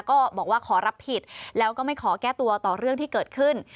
ก็บอกว่าขอรับผิดแล้วก็ไม่ขอแก้ตัวต่อเรื่องที่เกิดขึ้น